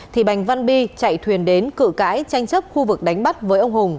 thì bành văn bi chạy thuyền đến cự cãi tranh chấp khu vực đánh bắt với ông hùng